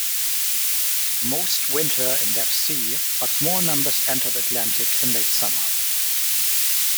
Most winter in that sea, but small numbers enter the Atlantic in late summer.